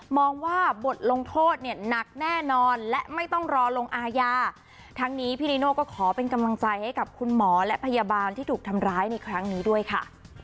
ว่าบทลงโทษเนี่ยหนักแน่นอนและไม่ต้องรอลงอาญาทั้งนี้พี่นิโน่ก็ขอเป็นกำลังใจให้กับคุณหมอและพยาบาลที่ถูกทำร้ายในครั้งนี้ด้วยค่ะ